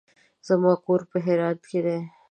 زما کور په هرات کې دی.